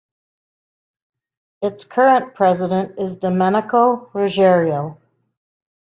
Its current president is Domenico Ruggerio.